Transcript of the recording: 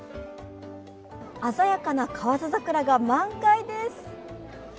鮮やかな河津桜が満開です。